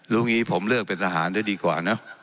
ลุงงี้ผมเลือกเป็นทหารด้วยดีกว่าเนอะ